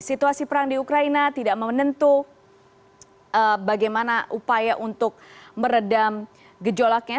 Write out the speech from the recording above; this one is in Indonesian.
situasi perang di ukraina tidak menentu bagaimana upaya untuk meredam gejolaknya